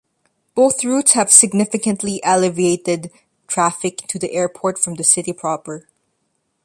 Both routes have significantly alleviated traffic to the airport from the city proper.